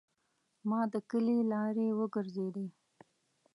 ما د کلي لارې وګرځیدې.